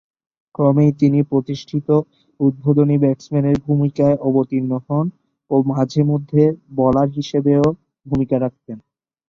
ক্রমেই তিনি প্রতিষ্ঠিত উদ্বোধনী ব্যাটসম্যানের ভূমিকায় অবতীর্ণ হন ও মাঝে-মধ্যে বোলার হিসেবেও ভূমিকা রাখতেন।